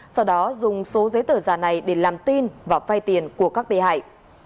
sau đó dùng số giấy tờ giả này để làm tin và phay tiền của các bị hại